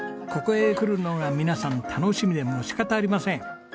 ここへ来るのが皆さん楽しみでもう仕方ありません。